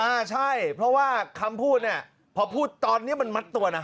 อ่าใช่เพราะว่าคำพูดเนี่ยพอพูดตอนนี้มันมัดตัวนะ